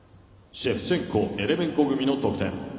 シェフチェンコエレメンコ組の得点。